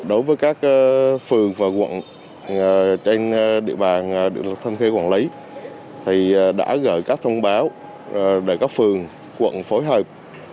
đối với các phường và quận trên địa bàn thân khê quản lý thì đã gửi các thông báo để các phường quận phối hợp